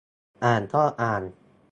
อ่านก็อ่าน